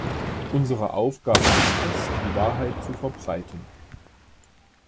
Unsere Aufgabe ist es, die Wahrheit zu verbreiten.